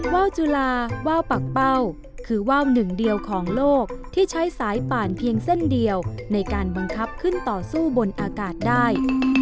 ว่าวจุลาว่าวปากเป้าคือว่าวหนึ่งเดียวของโลกที่ใช้สายป่านเพียงเส้นเดียวในการบังคับขึ้นต่อสู้บนอากาศได้